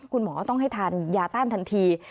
คุณหมอต้องให้ทานยาต้านทันที